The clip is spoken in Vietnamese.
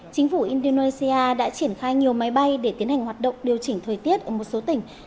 chính phủ indonesia đã triển khai nhiều máy bay để tiến hành hoạt động điều chỉnh thời tiết ở một số tỉnh